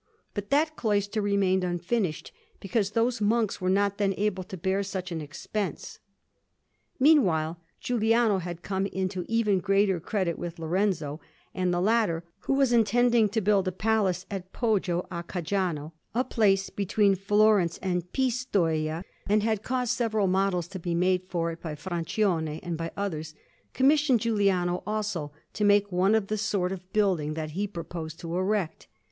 But that cloister remained unfinished, because those monks were not then able to bear such an expense. Meanwhile Giuliano had come into even greater credit with Lorenzo; and the latter, who was intending to build a palace at Poggio a Cajano, a place between Florence and Pistoia, and had caused several models to be made for it by Francione and by others, commissioned Giuliano, also, to make one of the sort of building that he proposed to erect.